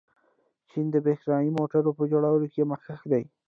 چین د برښنايي موټرو په جوړولو کې مخکښ دی.